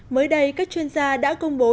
mới đây các chuyên gia đã công bố